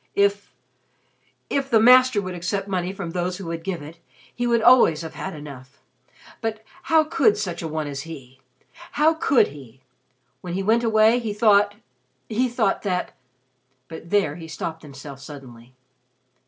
If if the Master would accept money from those who would give it, he would always have had enough. But how could such a one as he? How could he? When he went away, he thought he thought that " but there he stopped himself suddenly.